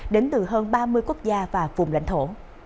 đến từ hơn ba mươi quốc gia và vùng lãnh thổ